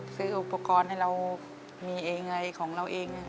ซื้ออุปกรณ์ให้เรามีเองอะไรของเราเอง